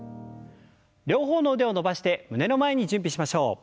両方の腕を伸ばして胸の前に準備しましょう。